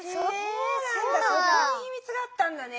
そこにひみつがあったんだね。